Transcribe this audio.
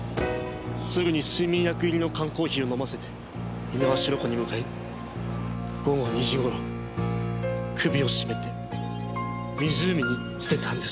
すぐに睡眠薬入りの缶コーヒーを飲ませて猪苗代湖に向かい午後２時頃首を絞めて湖に捨てたんです。